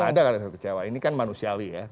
enggak ada rasa kecewa ini kan manusiawi ya